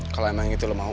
kalau emang gitu lo mau